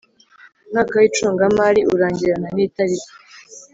Mwaka w icungamari urangirana n itariki